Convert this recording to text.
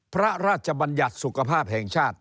พระราชบัญญัติสุขภาพแห่งชาติ